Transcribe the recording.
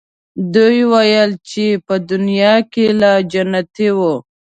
دوی ویل چې په دنیا کې لا جنتیی وو.